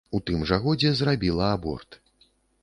У тым жа годзе зрабіла аборт.